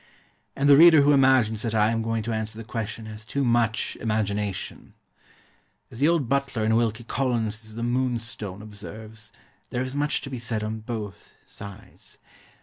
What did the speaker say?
And the reader who imagines that I am going to answer the question has too much imagination. As the old butler in Wilkie Collins's The Moonstone observes, there is much to be said on both sides.